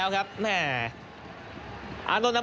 ส่วนที่สุดท้ายส่วนที่สุดท้าย